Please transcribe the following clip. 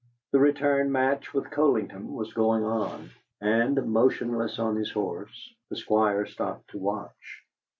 The return match with Coldingham was going on, and, motionless on his horse, the Squire stopped to watch.